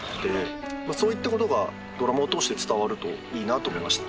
そういったことがドラマを通して伝わるといいなと思いました。